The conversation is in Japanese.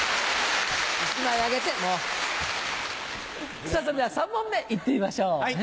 １枚あげてもう。それでは３問目行ってみましょう。